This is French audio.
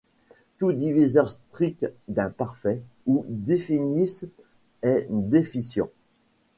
Tout diviseur strict d'un parfait ou déficient est déficient.